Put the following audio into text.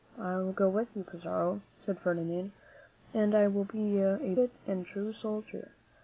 "I will go with you, Pizarro," said Ferdinand, "and I will be a brave and true soldier."